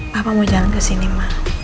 papa mau jalan kesini ma